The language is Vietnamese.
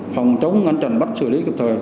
phòng chống ngăn chặn bắt xử lý kịp thời